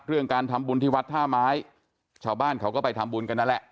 เรื่องการทำบุญที่วัดท่าไม้ชาวบ้านเขาก็ไปทำบุญกันนั่นแหละ